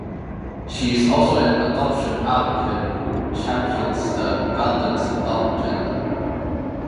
She is also an adoption advocate who champions the Ugandans Adopt agenda.